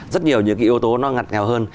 rất nhiều những cái yếu tố nó ngặt nghèo hơn